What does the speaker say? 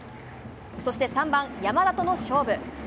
そして３番山田との勝負。